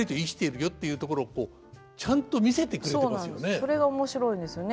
それが面白いんですよね。